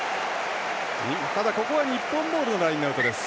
ただ、ここは日本ボールのラインアウトです。